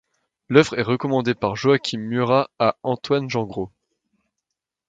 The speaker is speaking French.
L'œuvre est commandé par Joachim Murat à Antoine-Jean Gros.